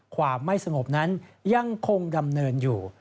ความไม่สงบนั้นยังคงดำเนินอยู่